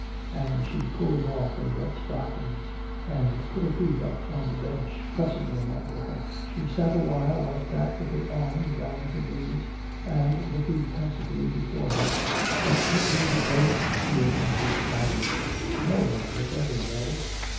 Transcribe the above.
And she pulled off her wet stockings and put her feet up on the bench, pressing them under her. She sat a while like that with her arms round her knees and looking pensively before her. 'But it is a desert, here in this silence. No one would ever know....